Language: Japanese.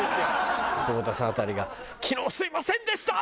久保田さん辺りが「昨日すみませんでした！」